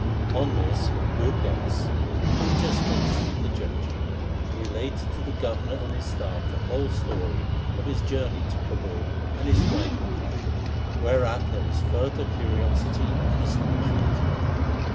On this Gur Das, who had just finished reading the Japji, related to the governor and his staff the whole story of his journey to Kabul, and his flight from there, whereat there was further curiosity and astonishment.